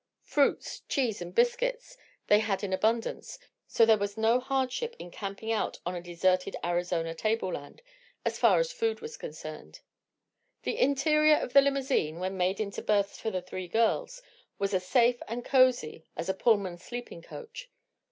Fruits, cheese and biscuits they had in abundance, so there was no hardship in camping out on a deserted Arizona table land, as far as food was concerned. The Interior of the limousine, when made into berths for the three girls, was as safe and cosy as a Pullman sleeping coach.